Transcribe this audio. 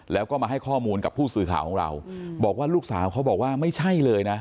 แล้วก็มาให้ข้อมูลกับผู้สื่อข่าวของเราบอกว่าลูกสาวเขาบอกว่าไม่ใช่เลยนะ